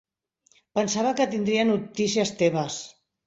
Pensava que tindria notícies teves.